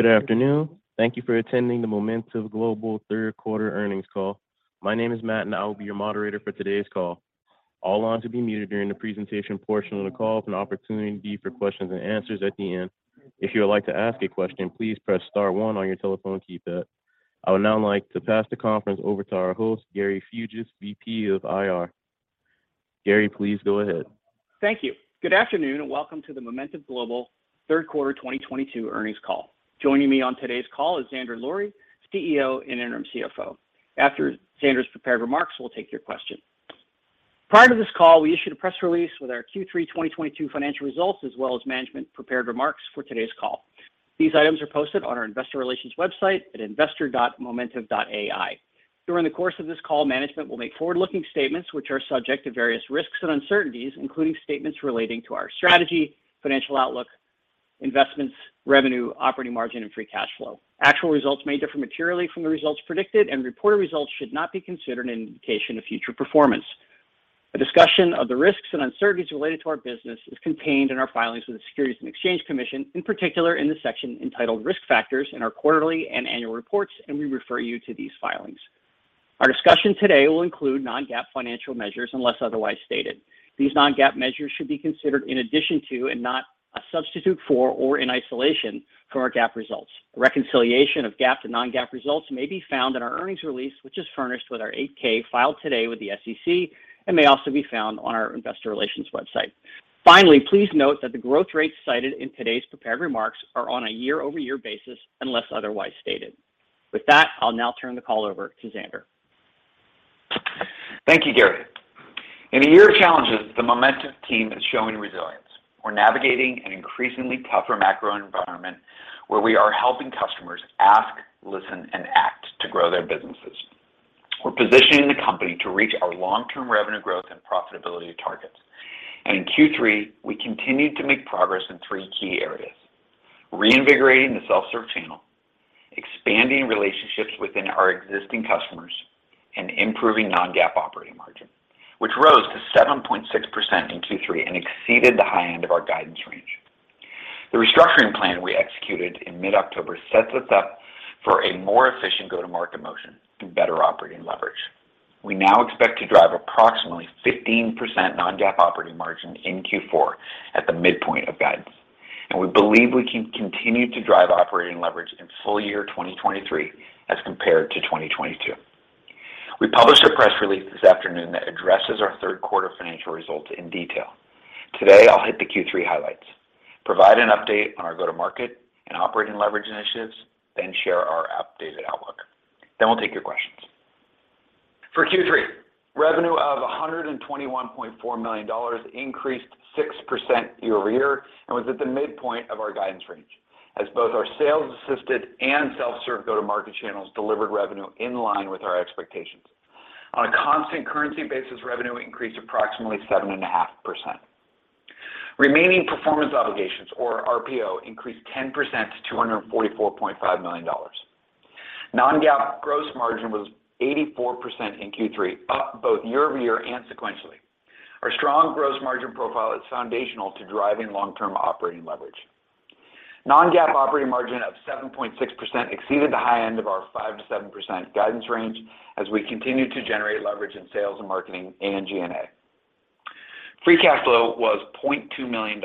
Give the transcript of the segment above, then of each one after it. Good afternoon. Thank you for attending the Momentive Global Third Quarter Earnings Call. My name is Matt, and I will be your moderator for today's call. All lines will be muted during the presentation portion of the call. There's an opportunity for questions and answers at the end. If you would like to ask a question, please press star one on your telephone keypad. I would now like to pass the conference over to our host, Gary Fuges, VP of IR. Gary, please go ahead. Thank you. Good afternoon, and welcome to the Momentive Global Third Quarter 2022 Earnings Call. Joining me on today's call is Zander Lurie, CEO and interim CFO. After Zander's prepared remarks, we'll take your questions. Prior to this call, we issued a press release with our Q3 2022 financial results, as well as management-prepared remarks for today's call. These items are posted on our investor relations website at investor.momentive.ai. During the course of this call, management will make forward-looking statements which are subject to various risks and uncertainties, including statements relating to our strategy, financial outlook, investments, revenue, operating margin, and free cash flow. Actual results may differ materially from the results predicted, and reported results should not be considered an indication of future performance. A discussion of the risks and uncertainties related to our business is contained in our filings with the Securities and Exchange Commission, in particular in the section entitled Risk Factors in our quarterly and annual reports, and we refer you to these filings. Our discussion today will include non-GAAP financial measures unless otherwise stated. These non-GAAP measures should be considered in addition to and not a substitute for or in isolation from our GAAP results. A reconciliation of GAAP to non-GAAP results may be found in our earnings release, which is furnished with our 8-K filed today with the SEC and may also be found on our investor relations website. Finally, please note that the growth rates cited in today's prepared remarks are on a year-over-year basis unless otherwise stated. With that, I'll now turn the call over to Zander. Thank you, Gary. In a year of challenges, the Momentive team is showing resilience. We're navigating an increasingly tougher macro environment where we are helping customers ask, listen, and act to grow their businesses. We're positioning the company to reach our long-term revenue growth and profitability targets. In Q3, we continued to make progress in three key areas, reinvigorating the self-serve channel, expanding relationships within our existing customers, and improving non-GAAP operating margin, which rose to 7.6% in Q3 and exceeded the high end of our guidance range. The restructuring plan we executed in mid-October sets us up for a more efficient go-to-market motion and better operating leverage. We now expect to drive approximately 15% non-GAAP operating margin in Q4 at the midpoint of guidance, and we believe we can continue to drive operating leverage in full year 2023 as compared to 2022. We published a press release this afternoon that addresses our 3rd quarter financial results in detail. Today, I'll hit the Q3 highlights, provide an update on our go-to-market and operating leverage initiatives, then share our updated outlook. We'll take your questions. For Q3, revenue of $121.4 million increased 6% year-over-year and was at the midpoint of our guidance range, as both our sales-assisted and self-serve go-to-market channels delivered revenue in line with our expectations. On a constant currency basis, revenue increased approximately 7.5%. Remaining performance obligations, or RPO, increased 10% to $244.5 million. Non-GAAP gross margin was 84% in Q3, up both year-over-year and sequentially. Our strong gross margin profile is foundational to driving long-term operating leverage. Non-GAAP operating margin of 7.6% exceeded the high end of our 5%-7% guidance range as we continued to generate leverage in sales and marketing and G&A. Free cash flow was $0.2 million,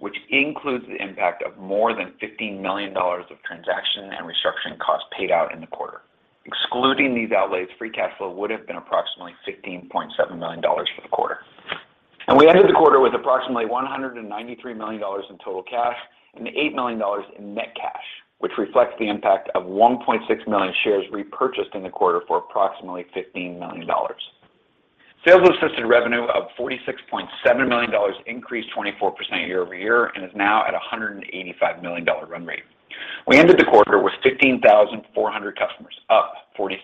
which includes the impact of more than $15 million of transaction and restructuring costs paid out in the quarter. Excluding these outlays, free cash flow would have been approximately $15.7 million for the quarter. We ended the quarter with approximately $193 million in total cash and $8 million in net cash, which reflects the impact of 1.6 million shares repurchased in the quarter for approximately $15 million. Sales-assisted revenue of $46.7 million increased 24% year-over-year and is now at a $185 million run rate. We ended the quarter with 15,400 customers, up 46%.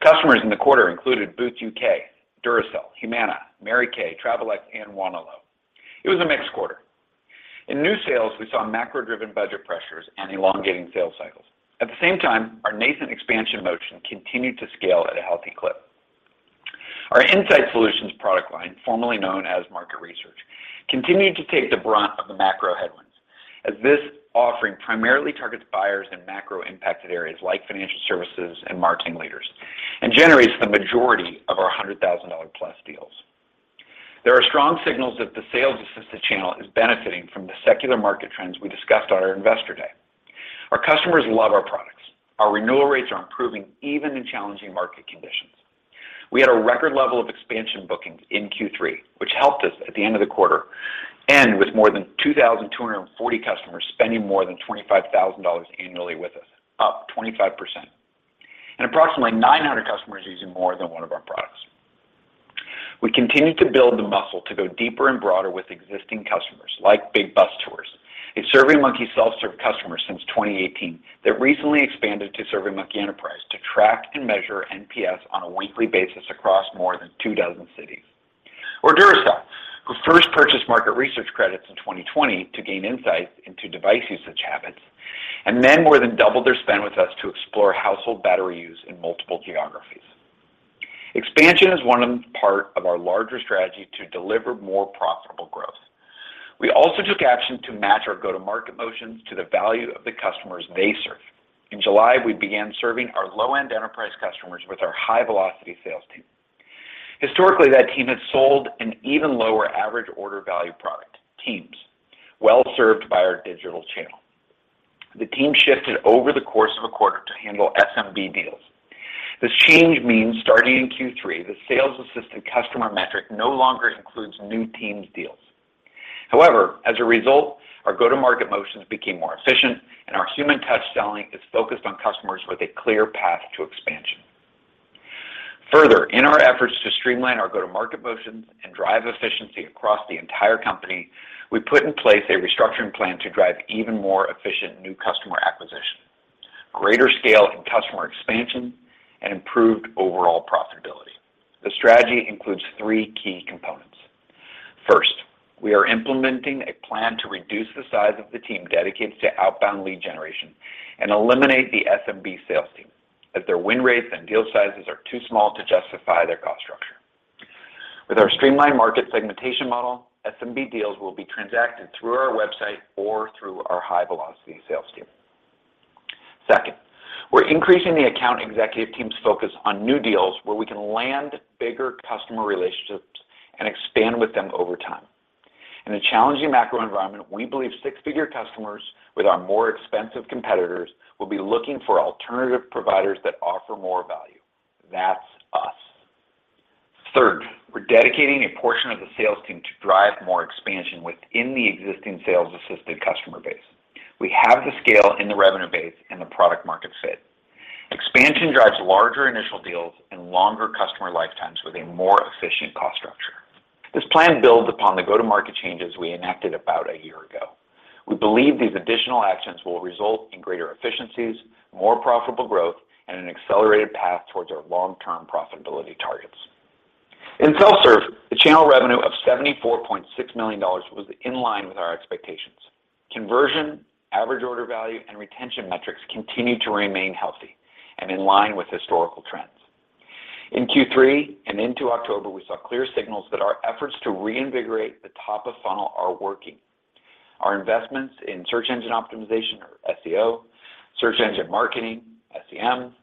Customers in the quarter included Boots UK, Duracell, Humana, Mary Kay, Travelex, and Wanelo. It was a mixed quarter. In new sales, we saw macro-driven budget pressures and elongating sales cycles. At the same time, our nascent expansion motion continued to scale at a healthy clip. Our Insight Solutions product line, formerly known as Market Research, continued to take the brunt of the macro headwinds, as this offering primarily targets buyers in macro-impacted areas like financial services and marketing leaders and generates the majority of our $100,000-plus deals. There are strong signals that the sales-assisted channel is benefiting from the secular market trends we discussed on our Investor Day. Our customers love our products. Our renewal rates are improving even in challenging market conditions. We had a record level of expansion bookings in Q3, which helped us at the end of the quarter end with more than 2,240 customers spending more than $25,000 annually with us, up 25%, and approximately 900 customers using more than one of our products. We continue to build the muscle to go deeper and broader with existing customers like Big Bus Tours, a SurveyMonkey self-serve customer since 2018 that recently expanded to SurveyMonkey Enterprise to track and measure NPS on a weekly basis across more than two dozen cities. Or Duracell, who first purchased market research credits in 2020 to gain insights into device usage habits, and then more than doubled their spend with us to explore household battery use in multiple geographies. Expansion is one part of our larger strategy to deliver more profitable growth. We also took action to match our go-to-market motions to the value of the customers they serve. In July, we began serving our low-end enterprise customers with our high-velocity sales team. Historically, that team has sold an even lower average order value product, Teams, well served by our digital channel. The team shifted over the course of a quarter to handle SMB deals. This change means starting in Q3, the sales-assisted customer metric no longer includes new Teams deals. However, as a result, our go-to-market motions became more efficient, and our human touch selling is focused on customers with a clear path to expansion. Further, in our efforts to streamline our go-to-market motions and drive efficiency across the entire company, we put in place a restructuring plan to drive even more efficient new customer acquisition, greater scale in customer expansion, and improved overall profitability. The strategy includes three key components. First, we are implementing a plan to reduce the size of the team dedicated to outbound lead generation and eliminate the SMB sales team as their win rates and deal sizes are too small to justify their cost structure. With our streamlined market segmentation model, SMB deals will be transacted through our website or through our high-velocity sales team. Second, we're increasing the account executive team's focus on new deals where we can land bigger customer relationships and expand with them over time. In a challenging macro environment, we believe six-figure customers with our more expensive competitors will be looking for alternative providers that offer more value. That's us. Third, we're dedicating a portion of the sales team to drive more expansion within the existing sales-assisted customer base. We have the scale in the revenue base and the product market fit. Expansion drives larger initial deals and longer customer lifetimes with a more efficient cost structure. This plan builds upon the go-to-market changes we enacted about a year ago. We believe these additional actions will result in greater efficiencies, more profitable growth, and an accelerated path towards our long-term profitability targets. In self-serve, the channel revenue of $74.6 million was in line with our expectations. Conversion, average order value, and retention metrics continued to remain healthy and in line with historical trends. In Q3 and into October, we saw clear signals that our efforts to reinvigorate the top of funnel are working. Our investments in search engine optimization or SEO, search engine marketing, SEM,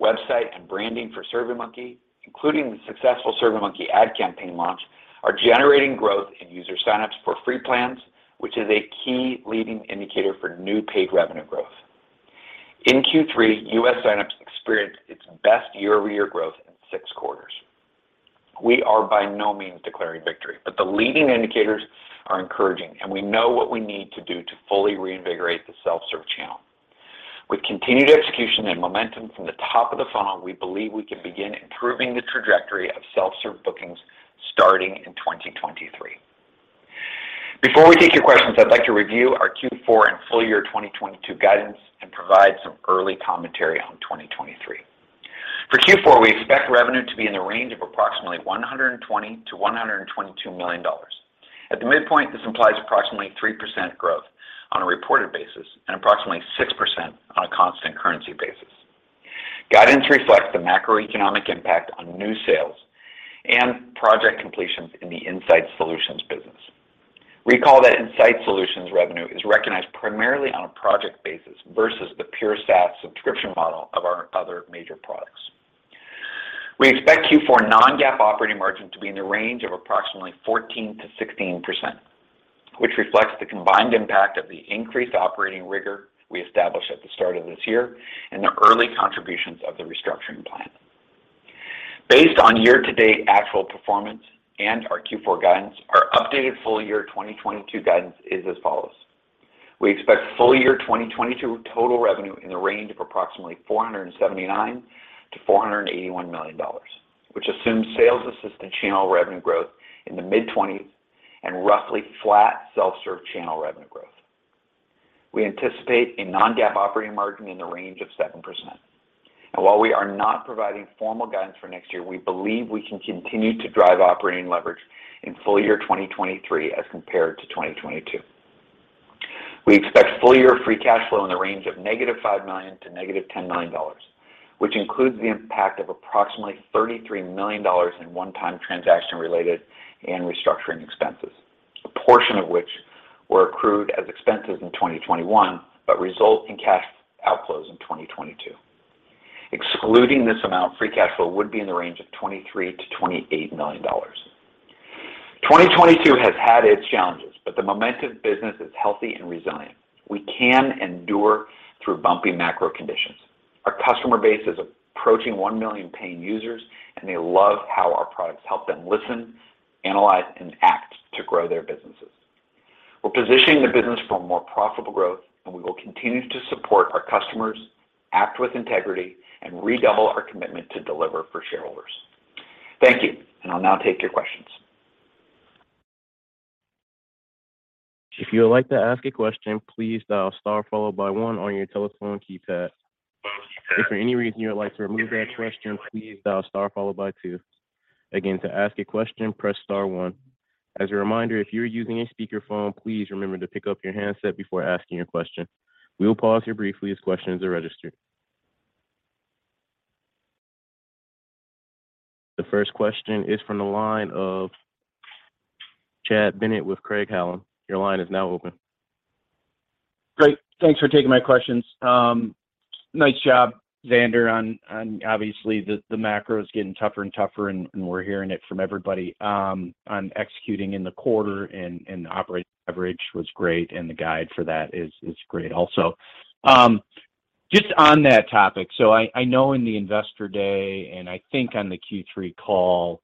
website and branding for SurveyMonkey, including the successful SurveyMonkey ad campaign launch, are generating growth in user sign-ups for free plans, which is a key leading indicator for new paid revenue growth. In Q3, U.S. sign-ups experienced its best year-over-year growth in six quarters. We are by no means declaring victory, but the leading indicators are encouraging, and we know what we need to do to fully reinvigorate the self-serve channel. With continued execution and momentum from the top of the funnel, we believe we can begin improving the trajectory of self-serve bookings starting in 2023. Before we take your questions, I'd like to review our Q4 and full year 2022 guidance and provide some early commentary on 2023. For Q4, we expect revenue to be in the range of approximately $120 million-$122 million. At the midpoint, this implies approximately 3% growth on a reported basis and approximately 6% on a constant currency basis. Guidance reflects the macroeconomic impact on new sales and project completions in the Insight Solutions business. Recall that Insight Solutions revenue is recognized primarily on a project basis versus the pure SaaS subscription model of our other major products. We expect Q4 non-GAAP operating margin to be in the range of approximately 14%-16%, which reflects the combined impact of the increased operating rigor we established at the start of this year and the early contributions of the restructuring plan. Based on year-to-date actual performance and our Q4 guidance, our updated full-year 2022 guidance is as follows. We expect full-year 2022 total revenue in the range of approximately $479 million-$481 million, which assumes sales-assisted channel revenue growth in the mid-20% and roughly flat self-serve channel revenue growth. We anticipate a non-GAAP operating margin in the range of 7%. While we are not providing formal guidance for next year, we believe we can continue to drive operating leverage in full year 2023 as compared to 2022. We expect full year free cash flow in the range of $-5 million to $-10 million, which includes the impact of approximately $33 million in one-time transaction related and restructuring expenses, a portion of which were accrued as expenses in 2021 but result in cash outflows in 2022. Excluding this amount, free cash flow would be in the range of $23 million-$28 million. 2022 has had its challenges, but the momentum business is healthy and resilient. We can endure through bumpy macro conditions. Our customer base is approaching one million paying users, and they love how our products help them listen, analyze, and act to grow their businesses. We're positioning the business for more profitable growth, and we will continue to support our customers, act with integrity, and redouble our commitment to deliver for shareholders. Thank you. I'll now take your questions. If you would like to ask a question, please dial star followed by one on your telephone keypad. If for any reason you would like to remove that question, please dial star followed by two. Again, to ask a question, press star one. As a reminder, if you're using a speakerphone, please remember to pick up your handset before asking your question. We will pause here briefly as questions are registered. The first question is from the line of Chad Bennett with Craig-Hallum. Your line is now open. Great. Thanks for taking my questions. Nice job, Zander, on obviously the macro is getting tougher and tougher, and we're hearing it from everybody, on executing in the quarter and the operating leverage was great, and the guide for that is great also. Just on that topic, I know in the Investor Day, and I think on the Q3 call,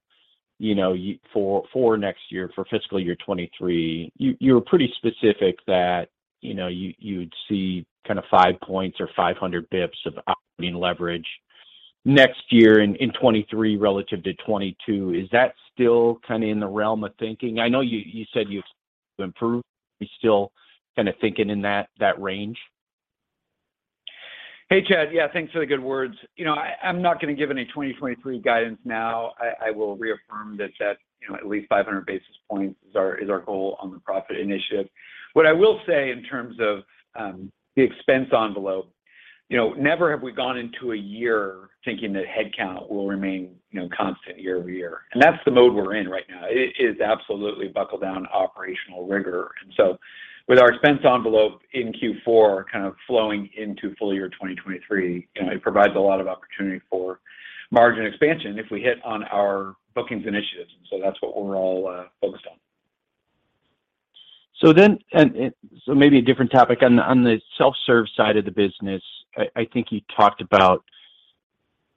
you know, for next year, for fiscal year 2023, you're pretty specific that, you know, you'd see kinda five points or 500 basis points of operating leverage next year in 2023 relative to 2022. Is that still kinda in the realm of thinking? I know you said you've improved. Are you still kinda thinking in that range? Hey, Chad. Yeah, thanks for the good words. You know, I'm not gonna give any 2023 guidance now. I will reaffirm that, you know, at least 500 basis points is our goal on the profit initiative. What I will say in terms of the expense envelope, you know, never have we gone into a year thinking that headcount will remain, you know, constant year-over-year. That's the mode we're in right now. It is absolutely buckle-down operational rigor. With our expense envelope in Q4 kind of flowing into full year 2023, you know, it provides a lot of opportunity for margin expansion if we hit on our bookings initiatives. That's what we're all focused on. Maybe a different topic. On the self-serve side of the business, I think you talked about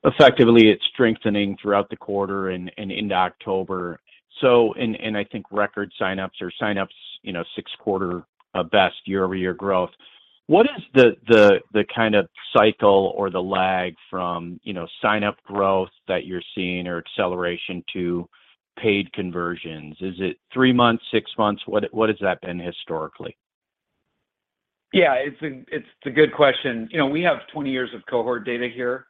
effectively it strengthening throughout the quarter and into October. I think record signups, you know, six-quarter best year-over-year growth. What is the kind of cycle or the lag from signup growth that you're seeing or acceleration to paid conversions? Is it three months, six months? What has that been historically? Yeah, it's a good question. You know, we have 20 years of cohort data here.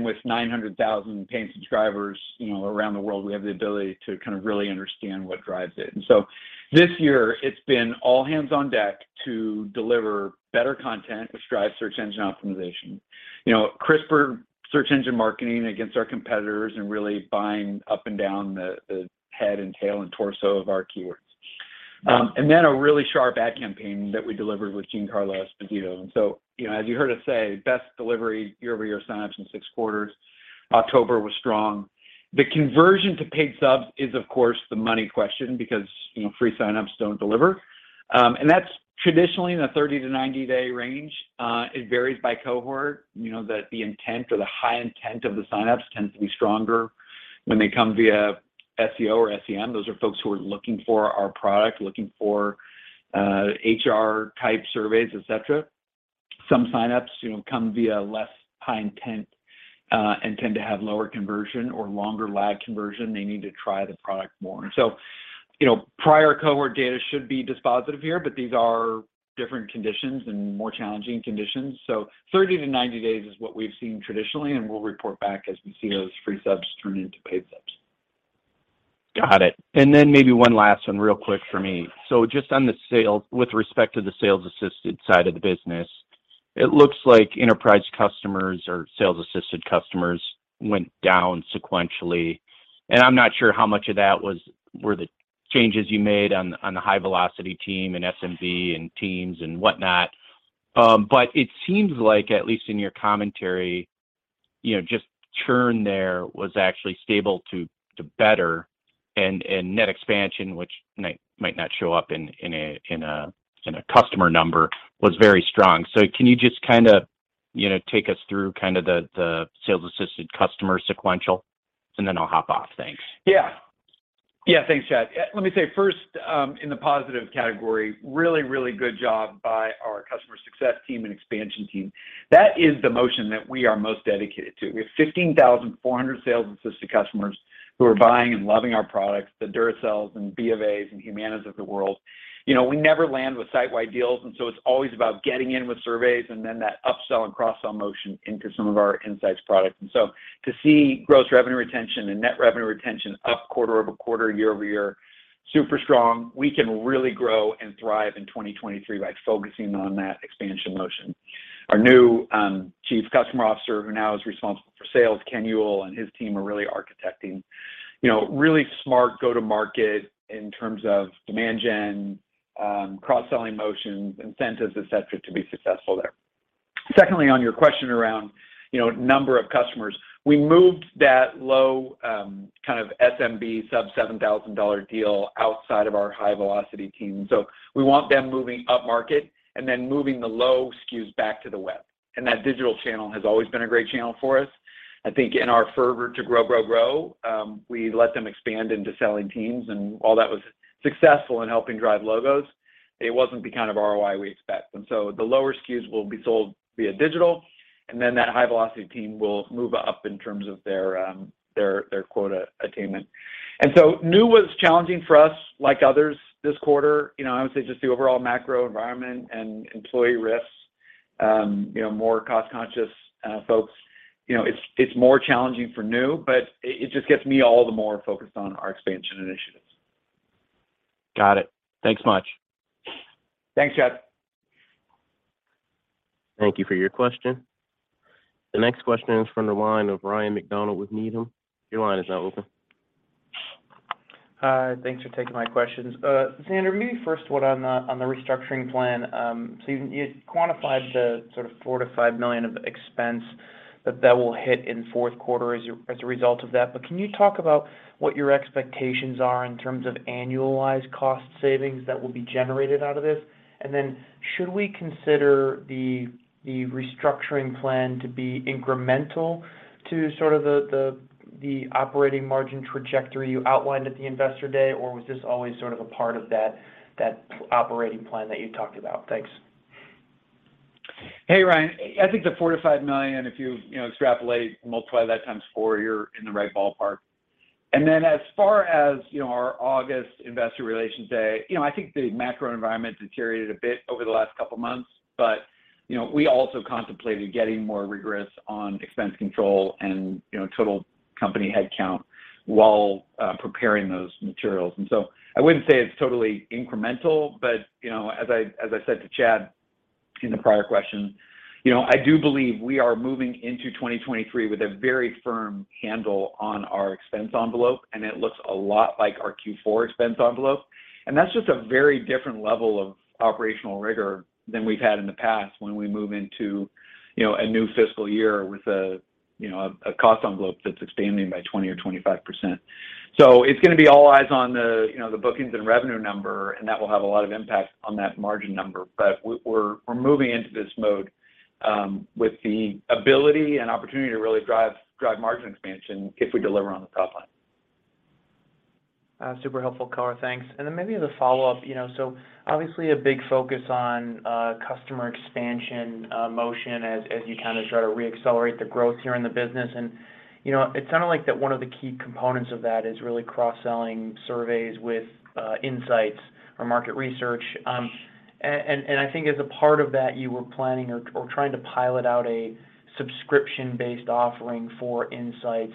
With 900,000 paying subscribers, you know, around the world, we have the ability to kind of really understand what drives it. This year, it's been all hands on deck to deliver better content, which drives search engine optimization. You know, crisper search engine marketing against our competitors and really buying up and down the head and tail and torso of our keywords. A really sharp ad campaign that we delivered with Giancarlo Esposito. You know, as you heard us say, best delivery year-over-year signups in six quarters. October was strong. The conversion to paid subs is, of course, the money question because, you know, free signups don't deliver. That's traditionally in the 30 to 90 day range. It varies by cohort. You know, the intent or the high intent of the signups tends to be stronger when they come via SEO or SEM. Those are folks who are looking for our product, looking for HR-type surveys, et cetera. Some signups, you know, come via less high intent and tend to have lower conversion or longer lag conversion. They need to try the product more. You know, prior cohort data should be dispositive here, but these are different conditions and more challenging conditions. 30 to 90 days is what we've seen traditionally, and we'll report back as we see those free subs turn into paid subs. Got it. Maybe one last one real quick for me. Just on the sales-assisted side of the business, it looks like enterprise customers or sales-assisted customers went down sequentially. I'm not sure how much of that were the changes you made on the high-velocity team and SMB and Teams and whatnot. It seems like, at least in your commentary, you know, just churn there was actually stable to better and net expansion, which might not show up in a customer number, was very strong. Can you just kinda, you know, take us through kinda the sales-assisted customer sequential? I'll hop off. Thanks. Yeah. Thanks, Chad. Let me say first, in the positive category, really good job by our customer success team and expansion team. That is the motion that we are most dedicated to. We have 15,400 sales-assisted customers who are buying and loving our products, the Duracells and BofAs and Humanas of the world. You know, we never land with site-wide deals, and so it's always about getting in with surveys and then that upsell and cross-sell motion into some of our insights products. To see gross revenue retention and net revenue retention up quarter-over-quarter, year-over-year, super strong. We can really grow and thrive in 2023 by focusing on that expansion motion. Our new Chief Customer Officer, who now is responsible for sales, Ken Ewell, and his team are really architecting, you know, really smart go-to-market in terms of demand gen, cross-selling motions, incentives, et cetera, to be successful there. Secondly, on your question around, you know, number of customers, we moved that low, kind of SMB sub-$7,000 deal outside of our high velocity team. We want them moving up market and then moving the low SKUs back to the web. That digital channel has always been a great channel for us. I think in our fervor to grow, we let them expand into selling teams, and while that was successful in helping drive logos, it wasn't the kind of ROI we expect. The lower SKUs will be sold via digital, and then that high velocity team will move up in terms of their quota attainment. New was challenging for us, like others this quarter. You know, I would say just the overall macro environment and employee risks. You know, more cost-conscious folks, you know, it's more challenging for new, but it just gets me all the more focused on our expansion initiatives. Got it. Thanks much. Thanks, Chad. Thank you for your question. The next question is from the line of Ryan MacDonald with Needham. Your line is now open. Thanks for taking my questions. Xander, maybe first what on the restructuring plan. You quantified the sort of $4 million-$5 million of expense that will hit in 4th quarter as a result of that. Can you talk about what your expectations are in terms of annualized cost savings that will be generated out of this? Then should we consider the restructuring plan to be incremental to sort of the operating margin trajectory you outlined at the Investor Day, or was this always sort of a part of that operating plan that you talked about? Thanks. Hey, Ryan. I think the $4 million-$5 million, if you know, extrapolate, multiply that times four, you're in the right ballpark. As far as, you know, our August Investor Day, you know, I think the macro environment deteriorated a bit over the last couple months, but, you know, we also contemplated getting more rigorous on expense control and, you know, total company head count while preparing those materials. I wouldn't say it's totally incremental, but, you know, as I said to Chad in the prior question, you know, I do believe we are moving into 2023 with a very firm handle on our expense envelope, and it looks a lot like our Q4 expense envelope. That's just a very different level of operational rigor than we've had in the past when we move into, you know, a new fiscal year with a, you know, cost envelope that's expanding by 20%-25%. It's gonna be all eyes on the, you know, the bookings and revenue number, and that will have a lot of impact on that margin number. We're moving into this mode with the ability and opportunity to really drive margin expansion if we deliver on the top line. Super helpful color. Thanks. Maybe the follow-up, you know, so obviously a big focus on customer expansion motion as you kind of try to reaccelerate the growth here in the business. You know, it sounded like that one of the key components of that is really cross-selling surveys with insights or market research. And I think as a part of that, you were planning or trying to pilot out a subscription-based offering for insights.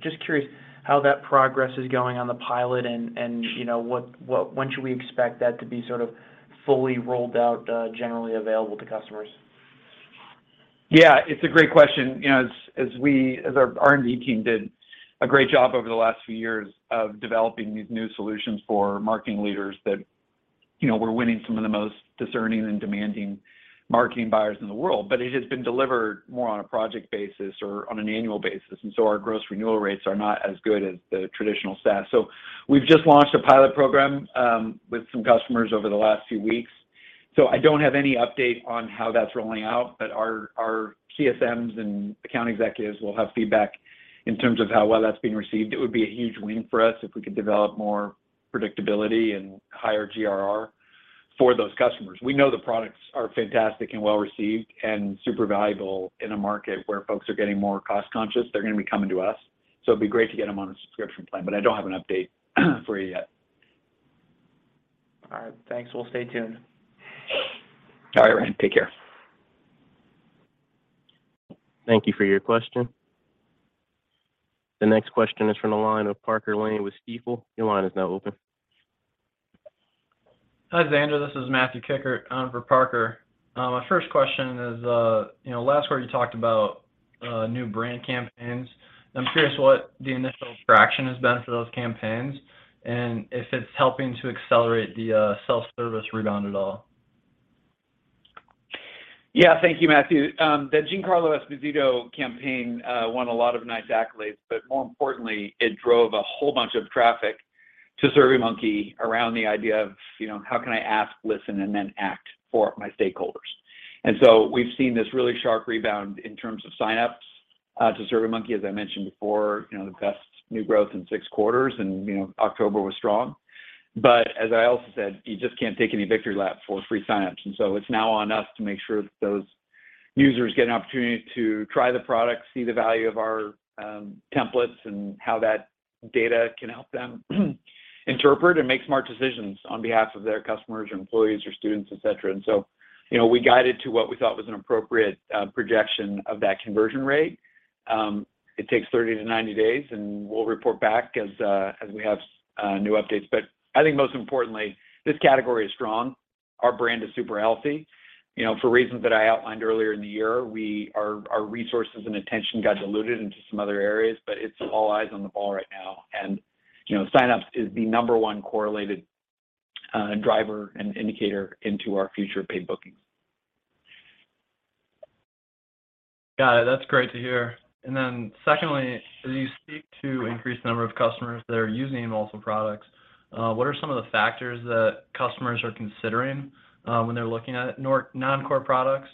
Just curious how that progress is going on the pilot and you know, what when should we expect that to be sort of fully rolled out, generally available to customers? Yeah, it's a great question. You know, as our R&D team did a great job over the last few years of developing these new solutions for marketing leaders that, you know, we're winning some of the most discerning and demanding marketing buyers in the world. It has been delivered more on a project basis or on an annual basis. Our gross renewal rates are not as good as the traditional SaaS. We've just launched a pilot program with some customers over the last few weeks. I don't have any update on how that's rolling out, but our CSMs and account executives will have feedback in terms of how well that's being received. It would be a huge win for us if we could develop more predictability and higher GRR for those customers. We know the products are fantastic and well-received and super valuable in a market where folks are getting more cost-conscious, they're gonna be coming to us. It'd be great to get them on a subscription plan, but I don't have an update for you yet. All right. Thanks. We'll stay tuned. All right, Ryan. Take care. Thank you for your question. The next question is from the line of Parker Lane with Stifel. Your line is now open. Hi, Zander. This is Matthew Klickert on for Parker. My first question is, you know, last quarter you talked about new brand campaigns. I'm curious what the initial traction has been for those campaigns and if it's helping to accelerate the self-service rebound at all. Yeah. Thank you, Matthew. The Giancarlo Esposito campaign won a lot of nice accolades, but more importantly, it drove a whole bunch of traffic to SurveyMonkey around the idea of, you know, how can I ask, listen, and then act for my stakeholders. We've seen this really sharp rebound in terms of signups to SurveyMonkey, as I mentioned before, you know, the best new growth in six quarters and, you know, October was strong. As I also said, you just can't take any victory lap for free signups. It's now on us to make sure that those users get an opportunity to try the product, see the value of our templates and how that data can help them interpret and make smart decisions on behalf of their customers or employees or students, et cetera. We guided to what we thought was an appropriate projection of that conversion rate. It takes 30 to 90 days, and we'll report back as we have new updates. I think most importantly, this category is strong. Our brand is super healthy. For reasons that I outlined earlier in the year, our resources and attention got diluted into some other areas, but it's all eyes on the ball right now. Signups is the number one correlated driver and indicator into our future paid bookings. Got it. That's great to hear. Secondly, as you speak to increased number of customers that are using multiple products, what are some of the factors that customers are considering when they're looking at non-core products?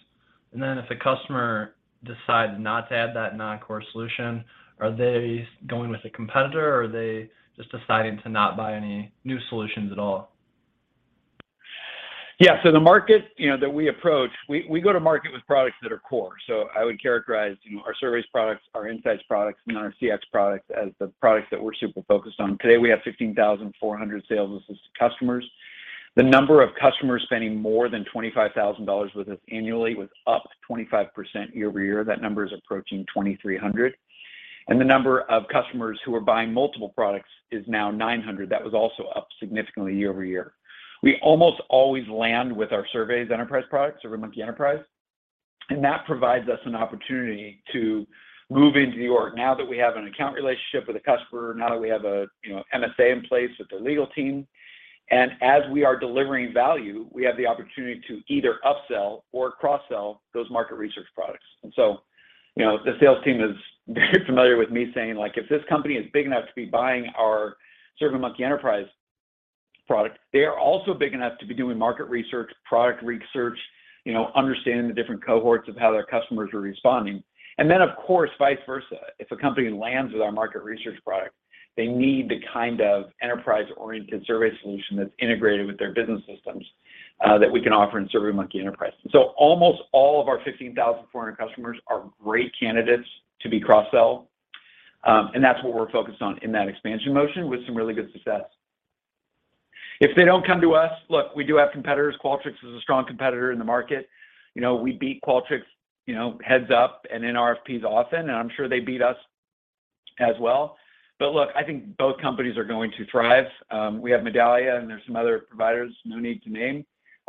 If a customer decides not to add that non-core solution, are they going with a competitor, or are they just deciding to not buy any new solutions at all? Yeah. The market, you know, that we approach, we go to market with products that are core. I would characterize, you know, our surveys products, our insights products, and our CX products as the products that we're super focused on. Today, we have 15,400 sales-assisted customers. The number of customers spending more than $25,000 with us annually was up 25% year-over-year. That number is approaching 2,300. And the number of customers who are buying multiple products is now 900. That was also up significantly year-over-year. We almost always land with our surveys enterprise products, SurveyMonkey Enterprise, and that provides us an opportunity to move into the org. Now that we have an account relationship with a customer, now that we have a, you know, MSA in place with their legal team, and as we are delivering value, we have the opportunity to either upsell or cross-sell those market research products. You know, the sales team is very familiar with me saying, like, "If this company is big enough to be buying our SurveyMonkey Enterprise product, they are also big enough to be doing market research, product research, you know, understanding the different cohorts of how their customers are responding." Of course, vice versa. If a company lands with our market research product, they need the kind of enterprise-oriented survey solution that's integrated with their business systems, that we can offer in SurveyMonkey Enterprise. Almost all of our 15,400 customers are great candidates to be cross-sell, and that's what we're focused on in that expansion motion with some really good success. If they don't come to us, look, we do have competitors. Qualtrics is a strong competitor in the market. You know, we beat Qualtrics, you know, head to head and in RFPs often, and I'm sure they beat us as well. Look, I think both companies are going to thrive. We have Medallia,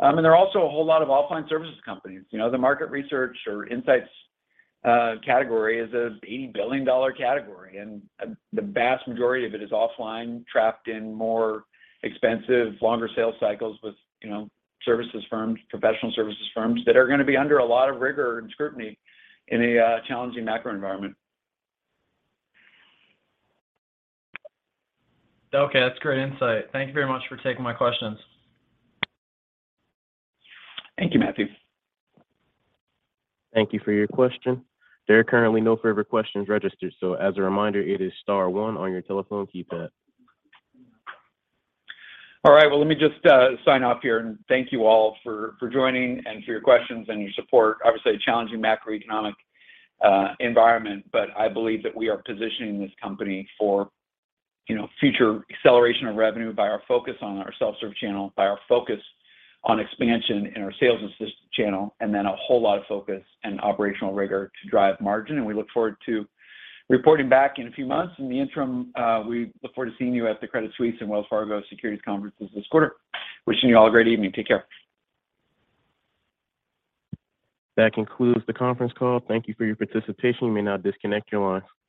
and there's some other providers, no need to name. There are also a whole lot of offline services companies. You know, the market research or insights category is a $80 billion category, and the vast majority of it is offline, trapped in more expensive, longer sales cycles with, you know, services firms, professional services firms that are gonna be under a lot of rigor and scrutiny in a challenging macro environment. Okay. That's great insight. Thank you very much for taking my questions. Thank you, Matthew. Thank you for your question. There are currently no further questions registered, so as a reminder, it is star one on your telephone keypad. All right. Well, let me just sign off here and thank you all for joining and for your questions and your support. Obviously, a challenging macroeconomic environment, but I believe that we are positioning this company for, you know, future acceleration of revenue by our focus on our self-serve channel, by our focus on expansion in our sales-assisted channel, and then a whole lot of focus and operational rigor to drive margin. We look forward to reporting back in a few months. In the interim, we look forward to seeing you at the Credit Suisse and Wells Fargo Securities conferences this quarter. Wishing you all a great evening. Take care. That concludes the conference call. Thank you for your participation. You may now disconnect your lines.